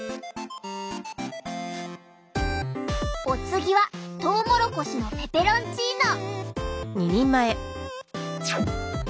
お次はトウモロコシのペペロンチーノ。